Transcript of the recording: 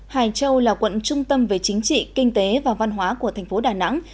hải châu là quận trung tâm về chính trị kinh tế và văn hóa của thành phố đà nẵng